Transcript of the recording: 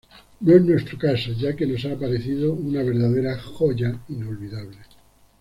No es nuestro caso, ya que nos ha parecido una verdadera joya inolvidable".